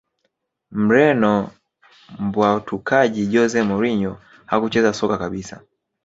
Mreno mbwatukaji Jose Mourinho hakucheza soka kabisa